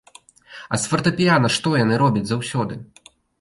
А з фартэпіяна што яны робяць заўсёды?